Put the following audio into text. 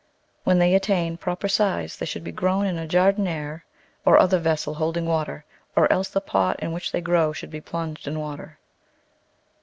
When they attain proper size they should be grown in a jardiniere or other vessel holding water, or else the pot in which they grow should be plunged in water.